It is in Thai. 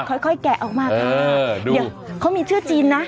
ค่อยกล้ายออกมาชิคกี้พายมีชื่อจีนนะ